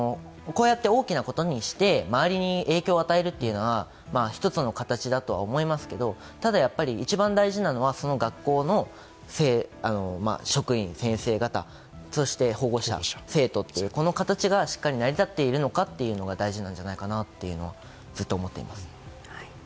こうやって大きなことにして周りに影響を与えるというのは、一つの形だと思いますがただ、一番大事なのはその学校の職員、先生方、そして保護者、生徒というこの形がしっかり成り立っているのかというのが大事なんじゃないかなとずっと思っています。